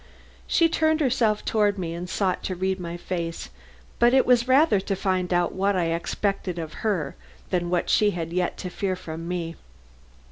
She turned herself toward me and sought to read my face, but it was rather to find out what I expected of her than what she had yet to fear from me.